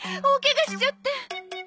大ケガしちゃって。